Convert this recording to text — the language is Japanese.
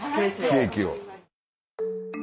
ケーキを。